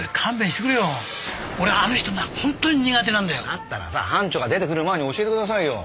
だったらさ班長が出てくる前に教えてくださいよ。